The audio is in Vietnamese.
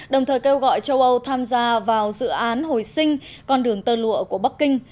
đồng thời kêu gọi châu âu tham gia vào dự án hồi sinh con đường tơ lụa của bắc kinh